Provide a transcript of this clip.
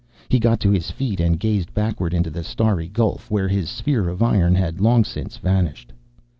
He got to his feet, and gazed backward into the starry gulf, where his sphere of iron had long since vanished.